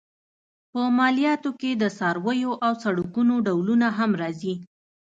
په مالیاتو کې د څارویو او سړکونو ډولونه هم راځي.